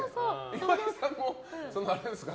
岩井さんもあるんですか？